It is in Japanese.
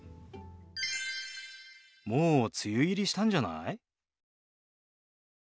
もう梅雨入りしたんじゃない？